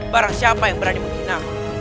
barang siapa yang berani menghina